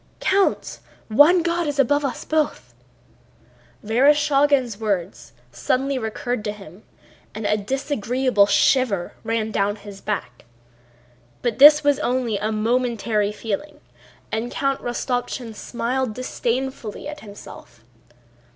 "Count! One God is above us both!"—Vereshchágin's words suddenly recurred to him, and a disagreeable shiver ran down his back. But this was only a momentary feeling and Count Rostopchín smiled disdainfully at himself.